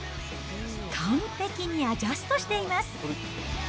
完璧にアジャストしています。